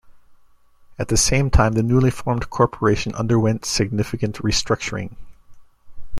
At the same time, the newly formed Corporation underwent significant restructuring.